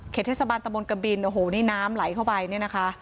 เทศบาลตะบนกะบินโอ้โหนี่น้ำไหลเข้าไปเนี่ยนะคะ